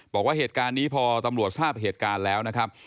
บอกว่าเหตุการณ์นี้พอตำรวจทราบเหตุการณ์แล้วนะครับ